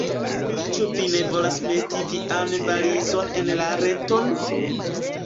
Ĉu vi ne volas meti vian valizon en la reton?